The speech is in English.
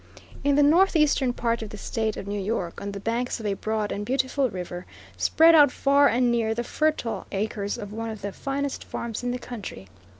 In the northeastern part of the State of New York on the banks of a broad and beautiful river, spread out far and near the fertile acres of one of the finest farms in the country.